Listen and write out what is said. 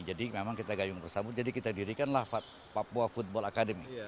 jadi memang kita gayung bersambut jadi kita didirikanlah papua football academy